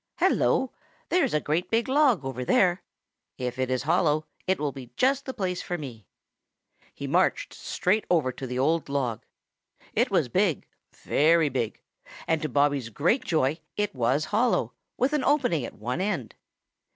Hello, there's a great big log over there! If it is hollow, it will be just the place for me." He marched straight over to the old log. It was big, very big, and to Bobby's great joy it was hollow, with an opening at one end.